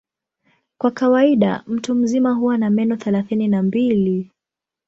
Kwa kawaida mtu mzima huwa na meno thelathini na mbili.